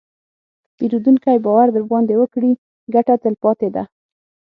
که پیرودونکی باور درباندې وکړي، ګټه تلپاتې ده.